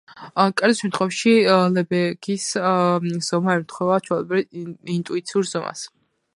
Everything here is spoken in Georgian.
კერძო შემთხვევებში ლებეგის ზომა ემთხვევა ჩვეულებრივ ინტუიციურ ზომას.